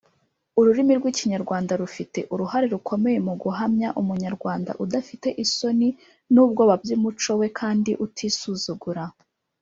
Ururimi rw’ikinyarwanda rufite uruhare rukomeye mu guhamya Umunyarwanda udafite isoni n’ubwoba by’umuco we kandi utisuzugura.